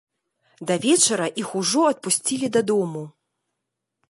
Да вечара іх ужо адпусцілі дадому.